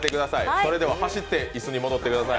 それでは走って椅子に戻ってください。